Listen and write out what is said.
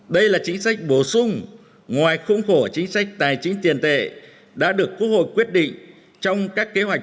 đây là chính sách bổ sung ngoài khung khổ chính sách tài chính tiền tệ đã được quốc hội quyết định trong các kế hoạch